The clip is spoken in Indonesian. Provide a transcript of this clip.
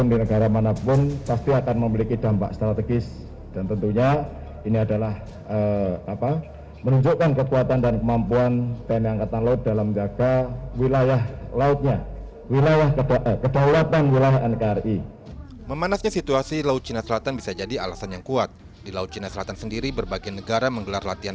itu yang saya lihat terjadi sekarang